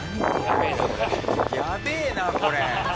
やべえなこれ。